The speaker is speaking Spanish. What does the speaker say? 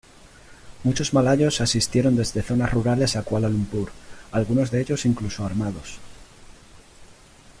Muchos malayos asistieron desde zonas rurales a Kuala Lumpur, algunos de ellos incluso armados.